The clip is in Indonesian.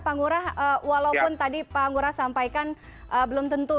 pak ngurah walaupun tadi pak ngurah sampaikan belum tentu